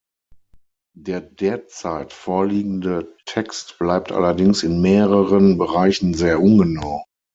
Der derzeit vorliegende Text bleibt allerdings in mehreren Bereichen sehr ungenau.